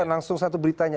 bukan langsung satu beritanya